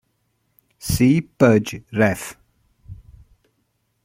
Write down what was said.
See Budge, Ref.